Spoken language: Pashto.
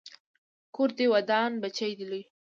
کور دې ودان، بچی دې لوی